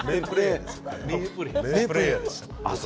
名プレーヤーですよ彼は。